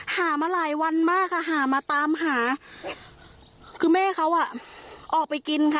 หามาหลายวันมากค่ะหามาตามหาคือแม่เขาอ่ะออกไปกินค่ะ